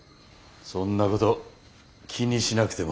そんなこと気にしなくても。